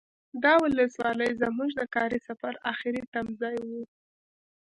دا ولسوالي زمونږ د کاري سفر اخري تمځای و.